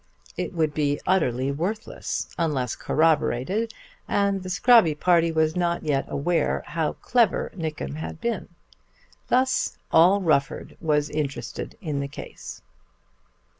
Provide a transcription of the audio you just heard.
It would be utterly worthless unless corroborated, and the Scrobby party was not yet aware how clever Nickem had been. Thus all Rufford was interested in the case.